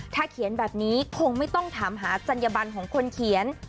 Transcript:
ถ้าเขียนแบบนี้คงไม่ต้องถามหาจัญญบันของคนเขียน